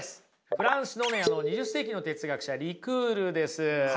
フランスの２０世紀の哲学者リクールです。